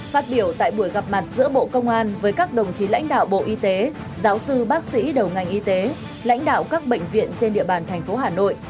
phát biểu tại buổi gặp mặt giữa bộ công an với các đồng chí lãnh đạo bộ y tế giáo sư bác sĩ đầu ngành y tế lãnh đạo các bệnh viện trên địa bàn thành phố hà nội